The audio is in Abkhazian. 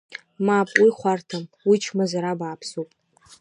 Мап, уи хәарҭам, уи чмазара бааԥсуп!